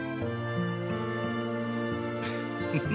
フッフフ。